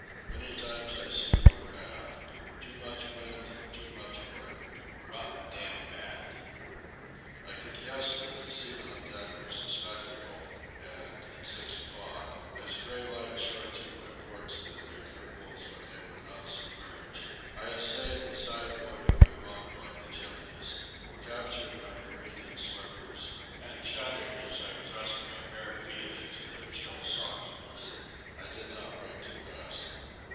Many times I see more bad. Too much wind, too much work. Rotten dam bad." I could guess that the scene on deck was a spectacle, and at six o'clock, as gray light showed through my ports in the intervals when they were not submerged, I essayed the side board of my bunk like a gymnast, captured my careering slippers, and shuddered as I thrust my bare feet into their chill sogginess. I did not wait to dress.